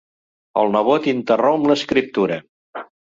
El nebot interromp l'escriptura.